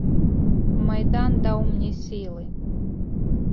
Майдан даў мне сілы.